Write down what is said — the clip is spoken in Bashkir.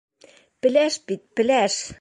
Пеләш бит, пеләш!